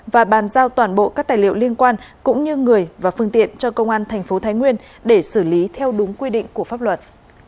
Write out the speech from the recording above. và bàn giao toàn bộ các tài liệu liên quan cũng như người và phương tiện cho công an thành phố thái nguyên để xử lý theo đúng quy định của pháp luật